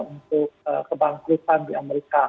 untuk kebangkrutan di amerika